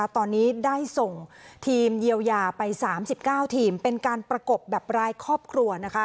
ตอนนี้ได้ส่งทีมเยียวยาไป๓๙ทีมเป็นการประกบแบบรายครอบครัว